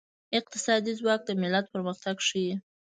اقتصادي ځواک د ملت پرمختګ ښيي.